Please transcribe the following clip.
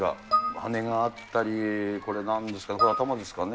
羽があったり、これなんですか、これ、頭ですかね。